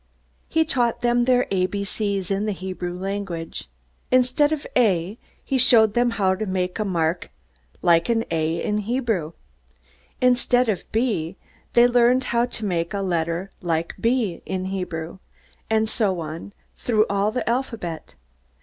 He taught them their A B C's in the Hebrew language. Instead of A, he showed them how to make a mark like this: [Hebrew: a]. Instead of B, they learned to make this letter: [Hebrew: b]; and so on, through all the alphabet.